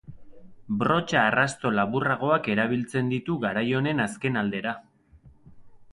Brotxa-arrasto laburragoak erabiltzen ditu garai honen azken aldera.